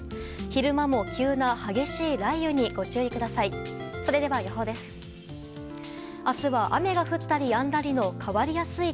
昼間も急な激しい雷雨にご注意ください。